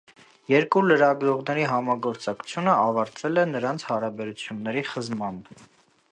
Երկու լրագրողների համագործակցությունը ավարտվել է նրանց հարաբերությունների խզմամբ։